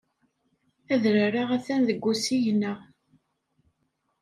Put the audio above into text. Adrar-a atan deg usigna.